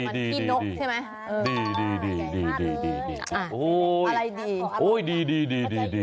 ที่นี่มันเสาครับ